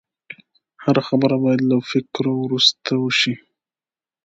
هره خبره باید له فکرو وروسته وشي